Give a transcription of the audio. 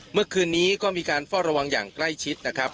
เมื่อคืนนี้ก็มีการเฝ้าระวังอย่างใกล้ชิดนะครับ